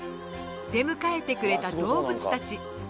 出迎えてくれた動物たち。